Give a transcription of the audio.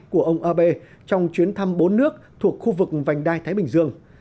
của ông abe trong chuyến thăm bốn nước thuộc khu vực vành đai thái bình dương